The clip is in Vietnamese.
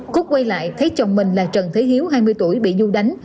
cúc quay lại thấy chồng mình là trần thế hiếu hai mươi tuổi bị du đánh